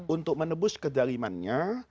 untuk menebus kezalimannya